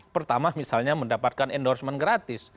pertama misalnya mendapatkan endorsement gratis